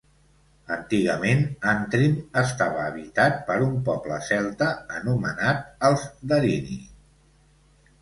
Antigament, Antrim estava habitat per un poble celta anomenat els darini.